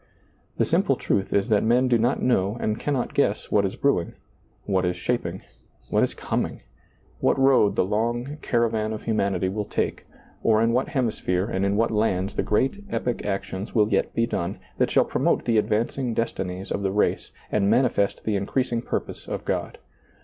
The simple truth is that men do not know and cannot guess what is brewing, what is shaping, what is coming, what road the long caravan of humanity will take, or in what hemi sphere and in what lands the great epic actions will yet be done that shall promote the advancing destinies of the race and manifest the increasing purpose of God.